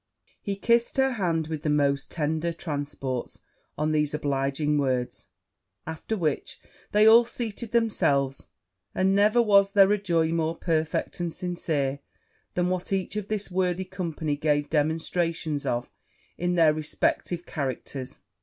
He kissed her hand with the most tender transports on these obliging words; after which they all seated themselves: and never was there a joy more perfect and sincere than what each of these worthy company gave demonstrations of in their respective characters.